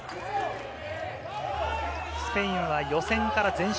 スペインは予選から全勝。